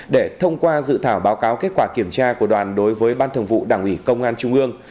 để thông qua dự thảo báo cáo kết quả kiểm tra của đoàn đối với ban thường vụ đảng ủy công an trung ương